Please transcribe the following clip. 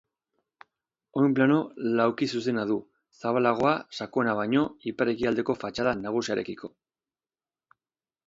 Oinplano laukizuzena du, zabalagoa sakona baino ipar-ekialdeko fatxada nagusiarekiko.